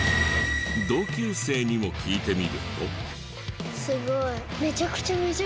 同級生にも聞いてみると。